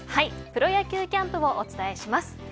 プロ野球キャンプをお伝えします。